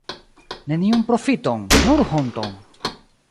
Neniun profiton, nur honton!